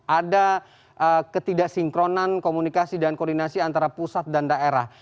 ada ketidaksinkronan komunikasi dan koordinasi antara pusat dan daerah